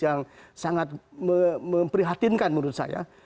yang sangat memprihatinkan menurut saya